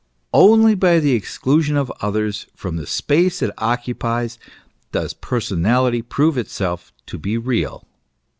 Only by the exclusion of others from the space it occupies, does person ality prove itself to be real.